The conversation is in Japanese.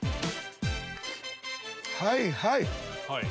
はいはい。